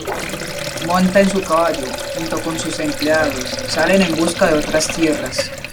Monta en su caballo, junto con sus empleados, salen en busca de otras tierras.